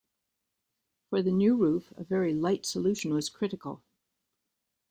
For the new roof, a very light solution was critical.